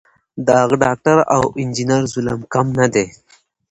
د هغه ډاکټر او انجینر ظلم کم نه دی.